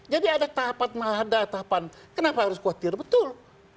jadi ada tahapan kenapa harus khawatir betul